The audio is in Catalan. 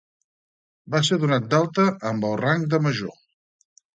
Va ser donat d'alta amb el rang de Major.